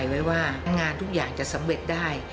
ไว้ว่างานทุกอย่างจะสำเร็จได้